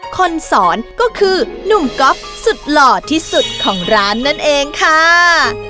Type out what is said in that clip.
คนสอนก็คือหนุ่มก๊อฟสุดหล่อที่สุดของร้านนั่นเองค่ะ